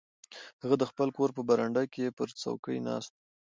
هغه د خپل کور په برنډه کې پر څوکۍ ناست و.